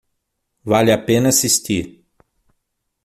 Vale a pena assistir